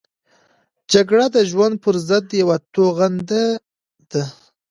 جګړه د ژوند پرضد یوه توغنده ده